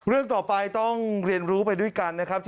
เรื่องต่อไปต้องเรียนรู้ไปด้วยกันนะครับ